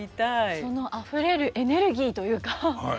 そのあふれるエネルギーというか感じましたね。